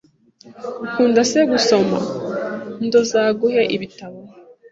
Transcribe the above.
Ukunda se gusoma ndo nzaguhe ibitabo?